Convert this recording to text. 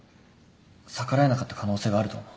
逆らえなかった可能性があると思う。